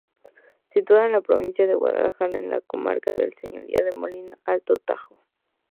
Situado en la provincia de Guadalajara, en la comarca del Señorío de Molina-Alto Tajo.